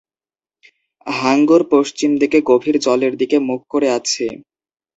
হাঙ্গর পশ্চিম দিকে গভীর জলের দিকে মুখ করে আছে।